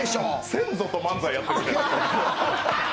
先祖と漫才やってるみたい。